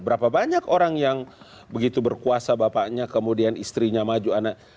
berapa banyak orang yang begitu berkuasa bapaknya kemudian istrinya maju anak